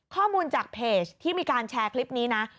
ข้อมูลจากเพจที่มีการแชร์คลิปนี้นะ